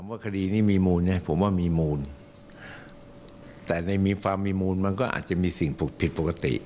ว่าคดีนี้มีมูลไงผมว่ามีมูลแต่ในมีความมีมูลมันก็อาจจะมีสิ่งปลูกผิดปกติ